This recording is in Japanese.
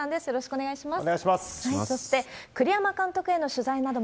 よろしくお願いします。